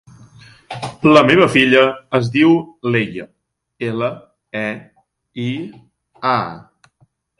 La meva filla es diu Leia: ela, e, i, a.